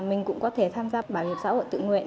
mình cũng có thể tham gia bảo hiểm xã hội tự nguyện